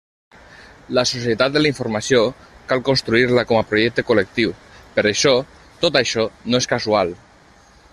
La Societat de la Informació cal construir-la com a projecte col·lectiu, per això tot això no és casual.